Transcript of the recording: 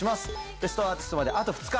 『ベストアーティスト』まであと２日！